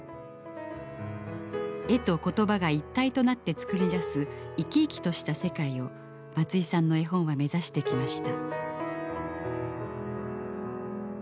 絵と言葉が一体となって作り出す生き生きとした世界を松居さんの絵本は目指してきました。